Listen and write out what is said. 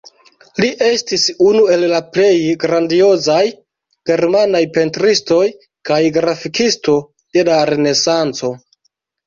Li estis unu el la plej grandiozaj germanaj pentristoj kaj grafikisto de la Renesanco.